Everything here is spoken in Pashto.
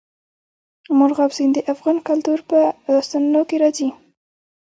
مورغاب سیند د افغان کلتور په داستانونو کې راځي.